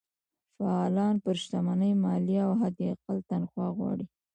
فعالان پر شتمنۍ مالیه او حداقل تنخوا غواړي.